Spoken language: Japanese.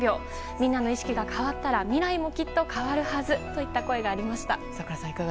みんなの意識が変わったら未来も、きっと変わるはずといった声がありました。